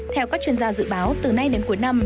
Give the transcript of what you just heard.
theo các chuyên gia dự báo từ nay đến cuối năm